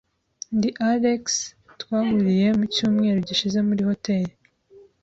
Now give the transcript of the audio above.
Ndi Alex, Twahuriye mu cyumweru gishize muri hoteri.